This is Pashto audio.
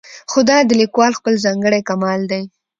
خو دا د لیکوال خپل ځانګړی کمال دی.